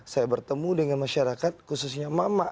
saya bertemu dengan masyarakat khususnya mama